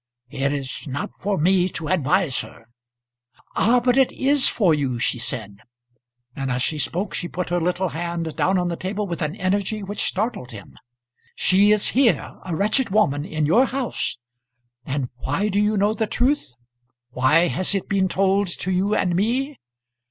It is not for me to advise her." "Ah, but it is for you," she said; and as she spoke she put her little hand down on the table with an energy which startled him. "She is here a wretched woman, in your house. And why do you know the truth? Why has it been told to you and me?